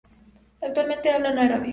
Actualmente hablan árabe.